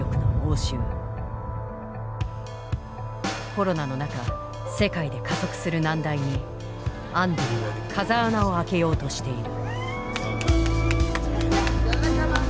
コロナの中世界で加速する難題にアンディは風穴を開けようとしている。